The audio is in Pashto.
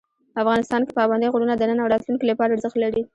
افغانستان کې پابندی غرونه د نن او راتلونکي لپاره ارزښت لري.